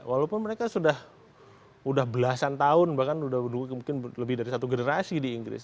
walaupun mereka sudah belasan tahun bahkan mungkin lebih dari satu generasi di inggris